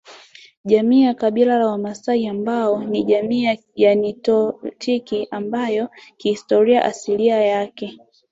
jamii ya Kabila la Wamaasai ambao ni jamii ya nilotiki ambayo kihistoria asilia yake